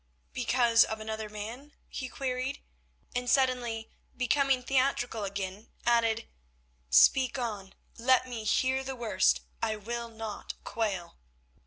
"Because of another man?" he queried, and suddenly becoming theatrical again, added, "Speak on, let me hear the worst; I will not quail."